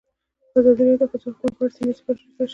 ازادي راډیو د د ښځو حقونه په اړه سیمه ییزې پروژې تشریح کړې.